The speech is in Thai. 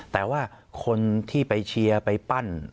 แต่ว่าคนที่ไปเชียร์ไปปั้น